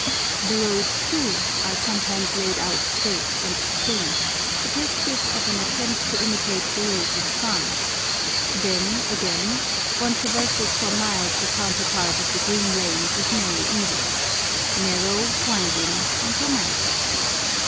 The roads, too, are sometimes laid out straight and trim, suggestive of an attempt to imitate the roads of France; then, again, one traverses for miles the counterpart of the green lanes of Merrie England narrow, winding, and romantic.